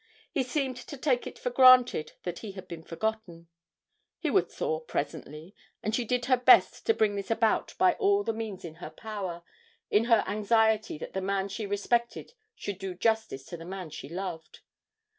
He seemed to take it for granted that he had been forgotten. He would thaw presently, and she did her best to bring this about by all the means in her power, in her anxiety that the man she respected should do justice to the man she loved.